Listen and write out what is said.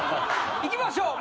いきましょう！